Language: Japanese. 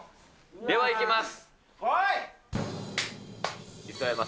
ではいきます。